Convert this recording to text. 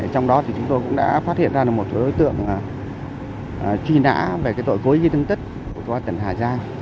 trong đó thì chúng tôi cũng đã phát hiện ra một số đối tượng truy nã về cái tội cố ý thân tích của công an tỉnh hà giang